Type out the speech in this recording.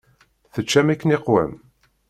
Teččam akken iqwem?